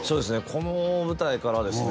この舞台からですね